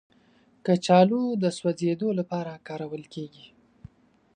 کچالو د سوځیدو لپاره کارول کېږي